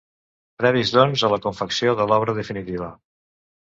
Previs doncs a la confecció de l'obra definitiva.